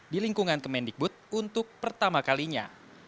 di lingkungan kemendikbud untuk pertama kalinya